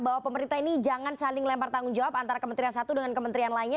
bahwa pemerintah ini jangan saling lempar tanggung jawab antara kementerian satu dengan kementerian lainnya